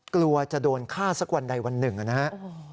กลัวจะโดนฆ่าสักวันใดวันหนึ่งนะครับ